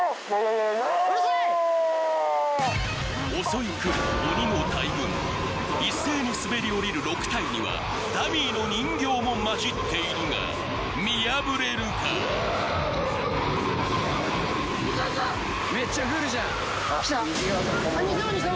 襲い来る鬼の大群一斉に滑り降りる６体にはダミーの人形も交じっているが見破れるかメッチャくるじゃんあっ右側多分本物きた？